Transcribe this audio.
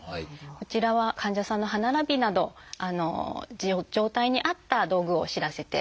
こちらは患者さんの歯並びなど状態に合った道具を知らせていきます。